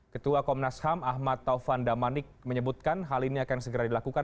ketua komnas ham ahmad taufan damanik menyebutkan hal ini akan segera dilakukan